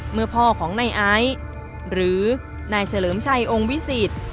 พ่อของนายไอซ์หรือนายเฉลิมชัยองค์วิสิต